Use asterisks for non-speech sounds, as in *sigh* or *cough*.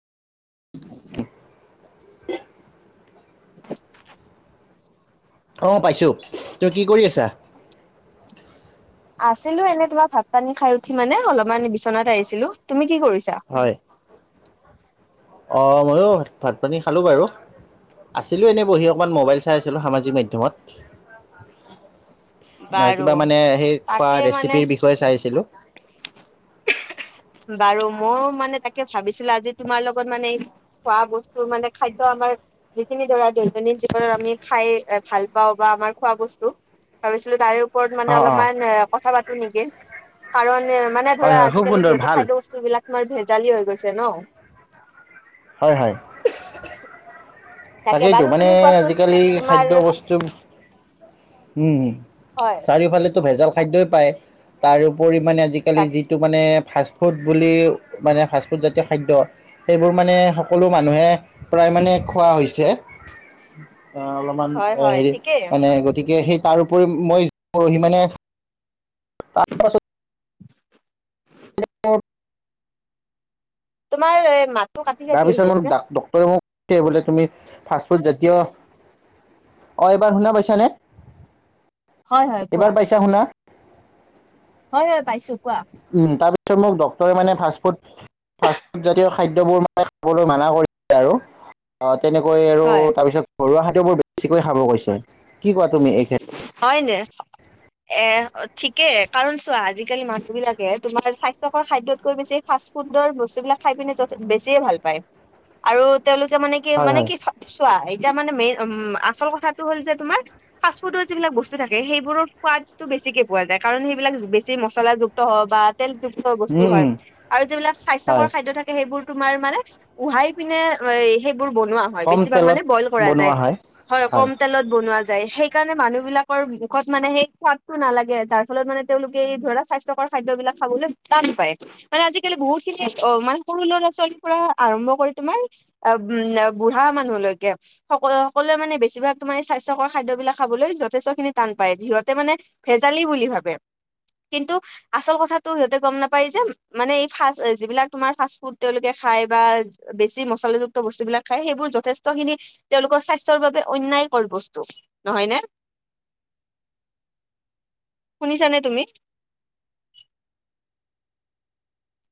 অ' পাইছোঁ। তই কি কৰি আছা? আছিলোঁ এনে তোমাৰ ভাত-পানী খাই উঠি মানে অলপমান বিচনাত আহিছিলোঁ। তুমি কি কৰিছা? হয় অ' মইয়ো ভাত-পানী খালোঁ বাৰু। আছিলোঁ এনেই বহি অকণমান মোবাইল চাই আছিলোঁ সামাজিক মাধ্যমত। অ' বাৰু কিবা মানে সেই খোৱা তাকে মানে ৰেচিপিৰ বিষয়ে চাই আছিলোঁ। বাৰু মইয়ো মানে তাকে ভাবিছিলোঁ আজি তোমাৰ লগত মানে খোৱা বস্তু মানে খাদ্য আমাৰ যিখিনি ধৰা দৈনন্দিন জীৱনত আমি খাই ভাল পাওঁ বা আমাৰ খোৱা বস্তু ভাবিছিলোঁ তাৰে ওপৰত মানে অ', অ', অলপমান এ কথা পাতোঁ নেকি। কাৰণ মানে হয় ধৰা হয় খুব আজিকালি সুন্দৰ যিহেতু ভাল খাদ্য বস্তু বিলাক তোমাৰ ভেজালি হৈ গৈছে ন। হয় হয়। তাকে তাকেইতো বাৰু মানে তুমি কোৱাচোন আজিকালি তোমাৰ খাদ্য বস্তু, উম' উম' হয়। চাৰিও ফালেটো ভেজাল খাদ্যই পায়। তাৰোপৰি মানে আজি কালি তাক যিটো ফাষ্ট ফুড বুলি মানে ফাষ্টফুড জাতীয় খাদ্য সেইবোৰ মানে সকলো মানুহে প্ৰায় মানে খোৱা হৈছে। অলপমান হয় হয় হেৰি ঠিকেই মানে গতিকে সেই তাৰ উপৰি মই পৰহি মানে তাৰ পাছত *inaudible* *unintelligible* তোমাৰ এ মাত তাৰ পিছত মোক ডক্তৰে মোক ক'লে বোলে তুমি ফাষ্ট ফুড জাতীয় অ এইবাৰ শুনা পাইছা নে হয় হয় কোৱা এইবাৰ পাইছা শুনা? হয় হয় পাইছো কোৱা। উম তাৰপিছত মোক ডক্তৰে মানে ফাষ্টফুড ফাষ্টফুডজাতীয় খাদ্যবোৰ মানে খাবলৈ মানা কৰিছে আৰু। অ' তেনেকৈ আৰু হয় তাৰপিছত ঘৰুৱা খাদ্যবোৰ বেছিকৈ খাব কৈছে। কি কোৱা তুমি এই ক্ষেত্ৰত হয় নে? এ ঠিকে, কাৰণ চোৱা আজিকালি মানুহ বিলাকে তোমাৰ স্বাস্থকৰ খাদ্যতকৈ বেছি ফাষ্ট ফুডৰ বস্তুবিলাক খাই পিনে বেছিয়ে ভাল পায়। আৰু তেওঁলোকে মানে কি হয় মানে হয় কি চোৱা এতিয়া মানে মেইন উ আচল কথাটো হ'ল যে তোমাৰ ফাষ্টফুডৰ যিবিলাক বস্তু থাকে সেইবোৰত সোৱাদটো বেছিকে পোৱা যায়। কাৰণ সেইবিলাক বেছি মছলাযুক্ত হয় বা তেল যুক্ত বস্তু উম হয়, উম আৰু যিবিলাক হয় স্বাস্থকৰ খাদ্য থাকে সেইবোৰ তোমাৰ মানে উহাই পিনে সেইবোৰ বনোৱা হয়, কম বেছিভাগ মানে তেলত বইল কৰা যায় বনোৱা হয় হয়, কম তেলত বনোৱা যাই। সেই সেইকাৰণে মানুহ বিলাকৰ মুখত মানে সেই সোৱাদটো নালাগে, যাৰ ফলত মানে তেওঁলোকে ধৰা স্বাস্থ্যকৰ খাদ্যবিলাক খাবলৈ টান পায়, মানে আজিকালি বহুত খিনি অ, মানে সৰু ল'ৰা-ছোৱালীৰ পৰা আৰম্ভ কৰি তোমাৰ অ, উম, বুঢ়া মানুহলৈকে স সকলোৱে মানে বেছিভাগ তোমাৰ স্বাস্থ্যকৰ খাদ্যবিলাক খাবলৈ যথেষ্ট খিনি টান পায়, সিহতে মানে ভেজালি বুলি ভাবে। কিন্তু আচল কথাটো সিহঁতে গম নাপায় যে, মানে এই ফাচ যিবিলাক তোমাৰ ফাষ্ট-ফুড তেওঁলোকে খাই বা বেছি মছলাযুক্ত বস্তুবিলাক খাই, সেইবোৰ যথেষ্টখিনি তেওঁলোকৰ স্বাস্থ্যৰ বাবে অন্যায় কৰ বস্তু। নহয়নে! শুনিছানে তুমি!